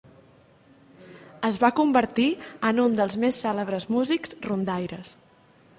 Es va convertir en un dels més cèlebres músics rondaires.